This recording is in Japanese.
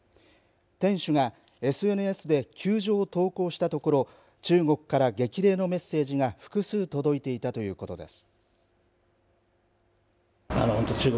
店主がＳＮＳで窮状を投稿したところ中国から激励のメッセージが複数届いていたということです。